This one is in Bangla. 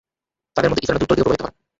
তাদের মধ্যে ইসার নদী উত্তর দিকে প্রবাহিত হয়।